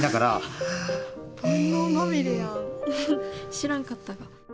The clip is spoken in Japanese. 知らんかった。